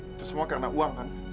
itu semua karena uang kan